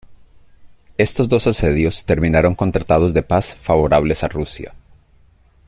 Estos dos asedios terminaron con tratados de paz favorables a Rusia.